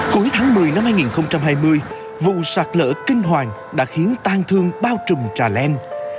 cuối tháng một mươi năm hai nghìn hai mươi vụ sạt lỡ kinh hoàng đã khiến tan thương bao trùm trà leng